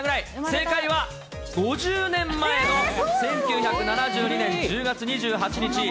正解は５０年前の１９７２年１０月２８日。